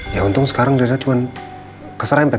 ya untung sekarang reina cuma keserahin pak